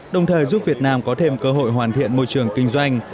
đồng thời giúp việt nam có thêm cơ hội hoàn thiện môi trường kinh doanh